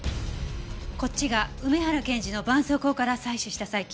こっちが梅原検事の絆創膏から採取した細菌。